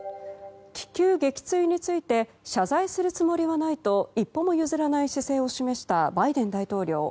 気球撃墜について謝罪するつもりはないと一歩も譲らない姿勢を示したバイデン大統領。